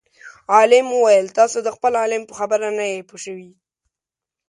عالم وویل تاسو د خپل عالم په خبره نه یئ پوه شوي.